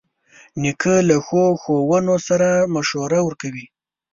نیکه له ښو ښوونو سره مشوره ورکوي.